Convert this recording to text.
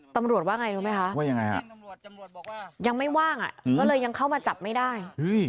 ตำรวจว่าไงรู้ไหมคะยังไม่ว่างอ่ะก็เลยยังเข้ามาจับไม่ได้